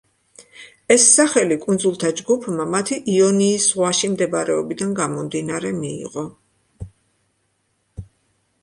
ეს სახელი კუნძულთა ჯგუფმა მათი იონიის ზღვაში მდებარეობიდან გამომდინარე მიიღო.